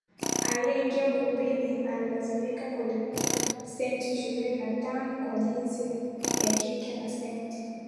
aliyeingia ukumbini alilazimika kulipia senti ishirini na tano kwa jinsia ya kike na senti